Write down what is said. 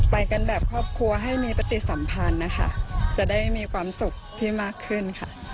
ไปกันแบบครอบครัวให้มีปฏิสัมพันธ์นะคะจะได้มีความสุขที่มากขึ้นค่ะ